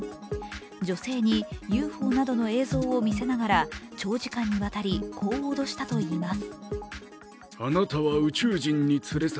女性にＵＦＯなどの映像を店ながら長時間にわたり、こう脅したといいます。